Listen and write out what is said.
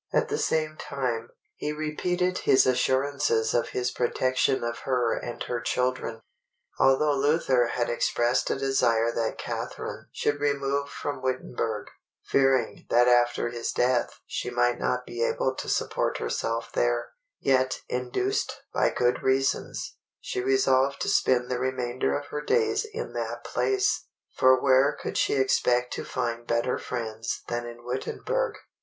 At the same time, he repeated his assurances of his protection of her and her children. Although Luther had expressed a desire that Catharine should remove from Wittenberg, fearing that after his death she might not be able to support herself there, yet induced by good reasons, she resolved to spend the remainder of her days in that place; for where could she expect to find better friends than in Wittenberg?